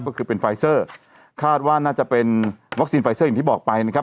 ก็คือเป็นไฟเซอร์คาดว่าน่าจะเป็นวัคซีนไฟเซอร์อย่างที่บอกไปนะครับ